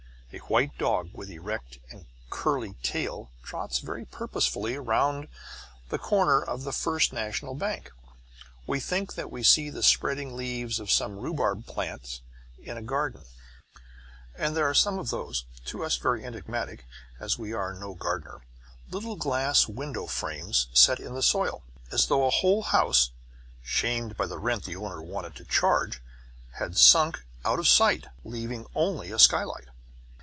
A white dog with erect and curly tail trots very purposefully round the corner of the First National Bank. We think that we see the spreading leaves of some rhubarb plants in a garden; and there are some of those (to us very enigmatic, as we are no gardener) little glass window frames set in the soil, as though a whole house, shamed by the rent the owner wanted to charge, had sunk out of sight, leaving only a skylight.